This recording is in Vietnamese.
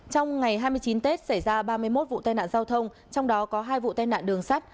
trong ngày hai mươi chín tết xảy ra ba mươi một vụ tai nạn giao thông trong đó có hai vụ tai nạn đường sắt